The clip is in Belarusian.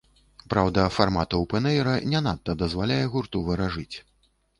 Праўда, фармат оўпэн-эйра не надта дазваляе гурту варажыць.